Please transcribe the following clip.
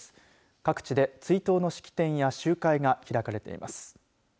各地で追悼の式典や集会が開かれています。